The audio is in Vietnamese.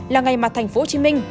là ngày mà thành phố hồ chí minh